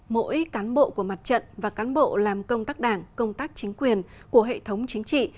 mỗi cán bộ của mặt trận và cán bộ làm công tác đảng công tác chính quyền của hệ thống chính trị